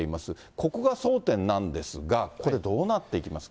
ここが争点なんですが、これ、どうなっていきますか？